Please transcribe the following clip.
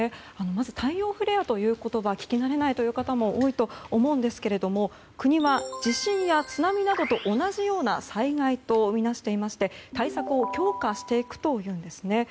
まず太陽フレアという言葉聞き慣れない方も多いと思うんですけれども国は、地震や津波などと同じような災害とみなしていまして対策を強化していくというんですね。